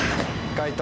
解答